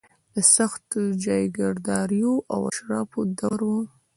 د سختو جاګیرداریو او اشرافو دور و.